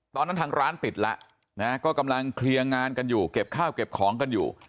ตอนนั้นทางร้านปิดแล้วก็กำลังเคลียร์งานกันอยู่เก็บข้าวเก็บของกันอยู่